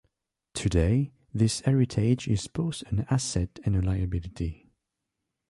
Today, this heritage is both an asset and a liability.